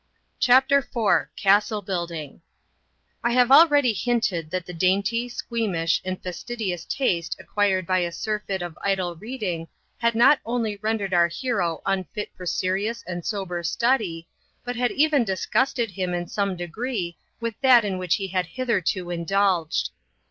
CHAPTER IV CASTLE BUILDING I have already hinted that the dainty, squeamish, and fastidious taste acquired by a surfeit of idle reading had not only rendered our hero unfit for serious and sober study, but had even disgusted him in some degree with that in which he had hitherto indulged.